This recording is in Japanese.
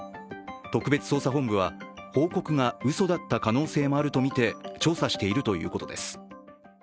特別捜査本部は報告がうそだった可能性もあるとみて調査しているということです。